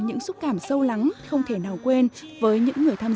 những xúc cảm sâu lắng không thể nào quên